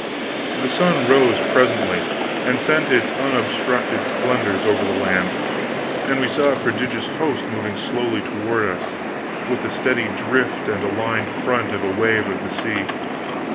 The sun rose presently and sent its unobstructed splendors over the land, and we saw a prodigious host moving slowly toward us, with the steady drift and aligned front of a wave of the sea.